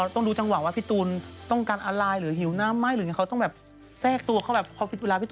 ที่นางให้สัมภาษณ์ในสามแซ่บนางสัมภาษณ์ว่าอย่างไร